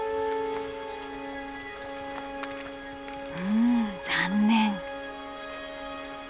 うん残念。